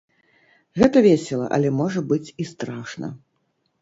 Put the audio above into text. Гэта весела, але можа быць і страшна.